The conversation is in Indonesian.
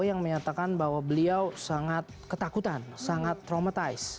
yang menyatakan bahwa beliau sangat ketakutan sangat traumatize